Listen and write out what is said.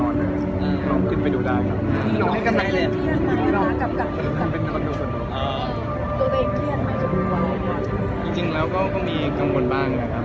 อาจจะแก็เข้าใจในความเป็นหวังของทุกคนมากเลยครับ